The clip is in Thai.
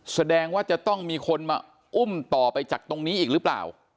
แสดงว่าจะต้องมีคนมาอุ้มต่อไปจากตรงนี้อีกหรือเปล่า